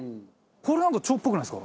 これなんか超っぽくないですか？